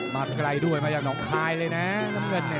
มาไกลด้วยมาจากหนองคายเลยนะน้ำเงิน